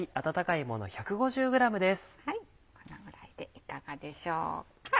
このぐらいでいかがでしょうか。